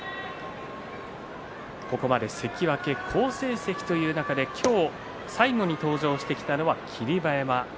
ここまで関脇好成績という中で今日、最後に登場してきたのは霧馬山。